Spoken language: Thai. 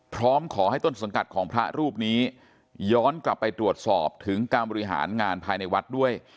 พร้อมขอให้ต้นสังกัดของพระรูปนี้ย้อนกลับไปตรวจสอบถึงการบริหารงานภายในวัดด้วย